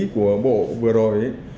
của bộ vừa rồi